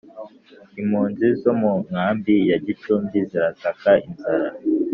Impunzi zo munkambi ya Gicumbi zirataka inzara